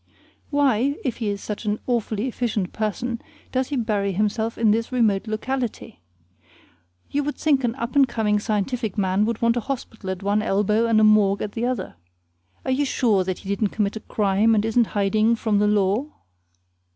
Why, if he is such an awfully efficient person does he bury himself in this remote locality? You would think an up and coming scientific man would want a hospital at one elbow and a morgue at the other. Are you sure that he didn't commit a crime and isn't hiding from the law?